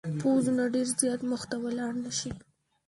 پوځونه ډېر زیات مخته ولاړ نه شي.